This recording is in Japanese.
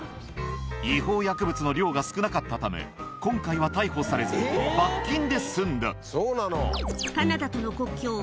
違法薬物の量が少なかったため今回は逮捕されず罰金で済んだそうなの！